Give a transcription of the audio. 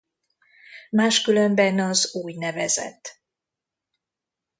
Máskülönben az ú.n.